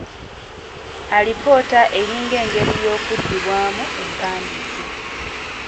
Alipoota eringa engeri y'okuddibwamu empandike.